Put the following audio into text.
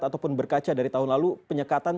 ataupun berkaca dari tahun lalu penyekatan